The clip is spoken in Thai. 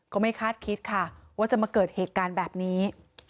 ไม่คาดคิดค่ะว่าจะมาเกิดเหตุการณ์แบบนี้